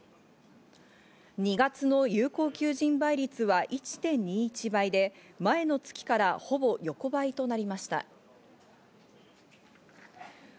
２月の有効求人倍率は１．２１倍で、前の月からほぼ横ばいとなりました。